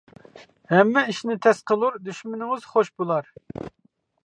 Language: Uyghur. ھەممە ئىشنى تەس قىلۇر، دۈشمىنىڭىز خوش بۇلار.